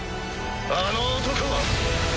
あの男は。